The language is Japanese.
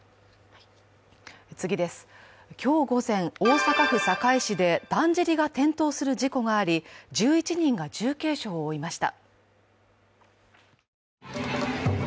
今日午前、大阪府堺市でだんじりが転倒する事故があり１１人が重軽傷を負いました。